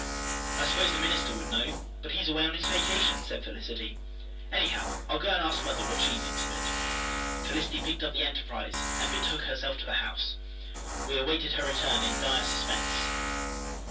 "I suppose the minister would know, but he's away on his vacation" said Felicity. "Anyhow, I'll go and ask mother what she thinks of it." Felicity picked up the Enterprise and betook herself to the house. We awaited her return in dire suspense.